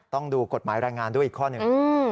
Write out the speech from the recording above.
ต้องดูกฎหมายรายงานด้วยอีกข้อหนึ่ง